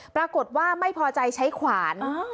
ปรากฏว่าไม่พอใจใช้ขวาน